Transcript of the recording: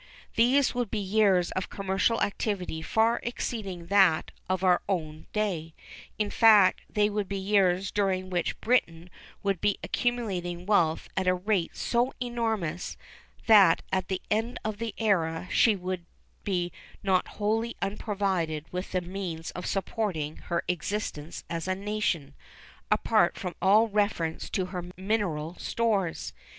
These would be years of commercial activity far exceeding that of our own day—in fact, they would be years during which Britain would be accumulating wealth at a rate so enormous that at the end of the era she would be not wholly unprovided with the means of supporting her existence as a nation, apart from all reference to her mineral stores.